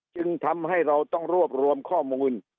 จึงทำให้เราต้องรวบรวมข้อมูล